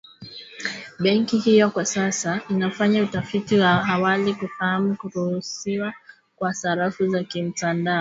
Benki hiyo kwa sasa inafanya utafiti wa awali kufahamu kuruhusiwa kwa sarafu za kimtandao, alisema Andrew Kaware mkurugenzi wa malipo ya taifa.